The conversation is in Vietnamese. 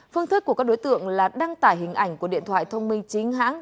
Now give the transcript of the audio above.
phương thức của các đối tượng là đăng tải hình ảnh của điện thoại thông minh chính hãng